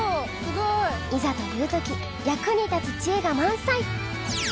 イザというとき役に立つ知恵が満載！